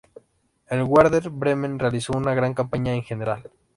El Werder Bremen realizó una gran campaña en general.